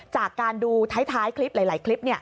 จากการดูท้ายคลิปหลายคลิป